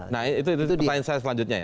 nah itu pertanyaan saya selanjutnya ya